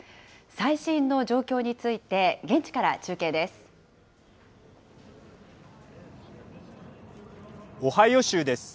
最新の状況について、現地から中オハイオ州です。